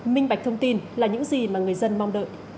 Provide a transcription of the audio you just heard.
minh bạch thông tin là những gì mà người dân mong đợi